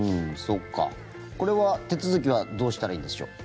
これは手続きはどうしたらいいんでしょう。